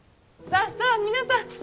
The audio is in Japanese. さあさあ皆さん